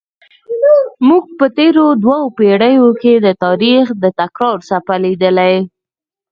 موږ په تېرو دوو پیړیو کې د تاریخ د تکرار څپه لیدلې.